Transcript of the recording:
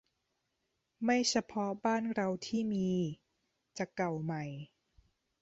ไม่เฉพาะบ้านเราที่มี จะเก่าใหม่